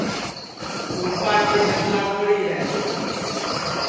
کُرپا کے جنگ لاگوڑی ہے